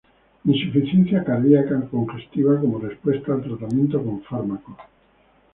Insuficiencia cardíaca congestiva, como respuesta al tratamiento con fármacos.